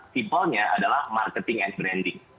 simpelnya adalah marketing and branding